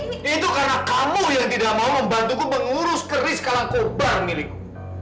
itu karena kamu yang tidak mau membantuku mengurus keris kalang kober milikku